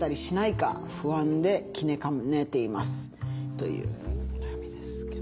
というお悩みですけども。